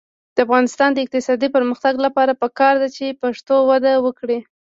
د افغانستان د اقتصادي پرمختګ لپاره پکار ده چې پښتو وده وکړي.